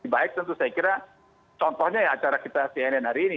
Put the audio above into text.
baik tentu saya kira contohnya ya acara kita cnn hari ini